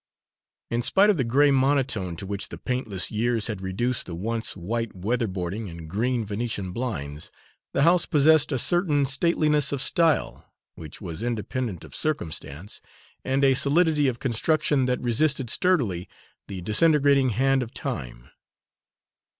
In spite of the gray monotone to which the paintless years had reduced the once white weatherboarding and green Venetian blinds, the house possessed a certain stateliness of style which was independent of circumstance, and a solidity of construction that resisted sturdily the disintegrating hand of time.